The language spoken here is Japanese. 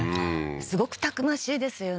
すごくたくましいですよね